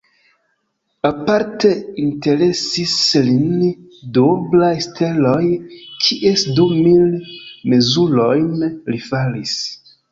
Aparte interesis lin duoblaj steloj, kies du mil mezurojn li faris.